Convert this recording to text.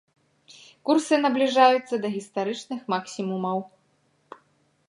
Курсы набліжаюцца да гістарычных максімумаў.